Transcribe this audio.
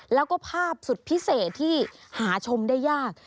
แล้วก็ภาพสุดพิเศษที่หาชมได้ยาก